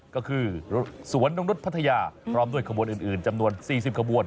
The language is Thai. ก็คือสวนนกนุษย์พัทยาพร้อมด้วยขบวนอื่นจำนวน๔๐ขบวน